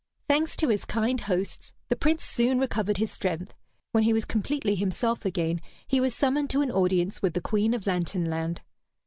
Thanks to his kind hosts, the Prince soon recovered his strength. When he was completely himself again, he was summoned to an audience with the Queen of Lantern Land.